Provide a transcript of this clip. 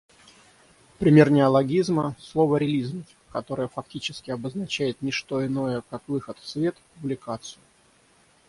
Пример неологизма — слово релизнуть, которое фактически обозначает ничто иное как выход в свет, публикацию.